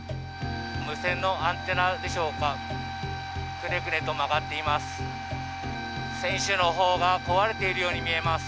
無線のアンテナでしょうか、クネクネと曲がっています。